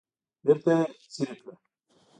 بیرته یې څیرې کړه.